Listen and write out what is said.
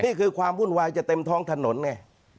นี่คือความวุ่นวายจะเต็มท้องถนนไง